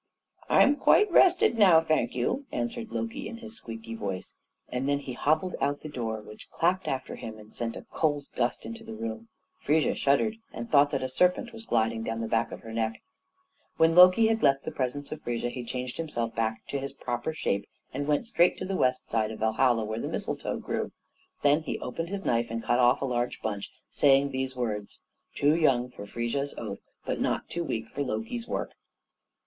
"I'm quite rested now, thank you," answered Loki in his squeaky voice, and then he hobbled out at the door, which clapped after him, and sent a cold gust into the room. Frigga shuddered, and thought that a serpent was gliding down the back of her neck. When Loki had left the presence of Frigga, he changed himself back to his proper shape and went straight to the west side of Valhalla, where the mistletoe grew. Then he opened his knife and cut off a large bunch, saying these words, "Too young for Frigga's oaths, but not too weak for Loki's work."